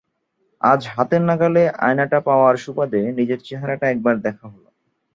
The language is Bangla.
আজ হাতের নাগালে আয়নাটা পাওয়ার সুবাদে নিজের চেহারাটা একবার দেখা হলো।